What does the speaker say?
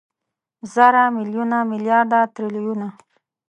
زره، ميليونه، ميليارده، تريليونه